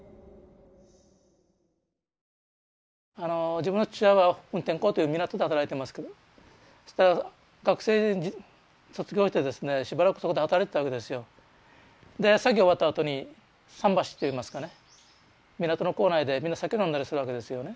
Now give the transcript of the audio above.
自分の父親は運天港という港で働いてますけど学生卒業してですねしばらくそこで働いてたわけですよ。で作業終わったあとに桟橋っていいますかね港の構内でみんな酒飲んだりするわけですよね。